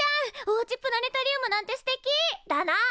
おうちプラネタリウムなんてすてき！だな！